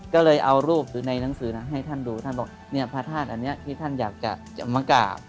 ก็เลยเอารูปหรือในหนังสือนั้นให้ท่านดูท่านบอกเนี่ยพระธาตุอันนี้ที่ท่านอยากจะมากราบ